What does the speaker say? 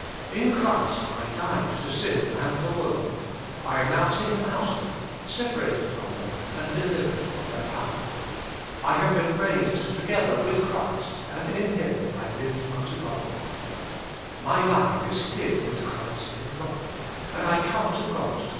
In Christ I died to sin and the world. I am now taken out of them, separated from them, and delivered from their power. ^ I have been raised together with Christ and in Him 102 The Inner Chamber I live unto God. My life is hid with Christ in God and I come to God to.